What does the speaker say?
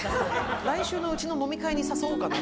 来週のうちの飲み会に誘おうかな。